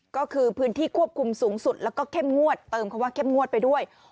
ก็คือพื้นที่ควบคุมสูงสุดแล้วก็เข้มงวดเติมคำว่าเข้มงวดไปด้วย